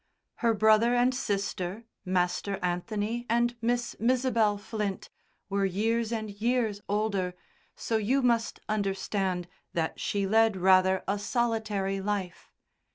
Her brother and sister, Master Anthony and Miss Misabel Flint, were years and years older, so you must understand that she led rather a solitary life.